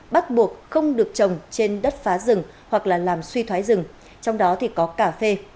bắt buộc không được trồng trên đất phá rừng hoặc là làm suy thoái rừng trong đó thì có cà phê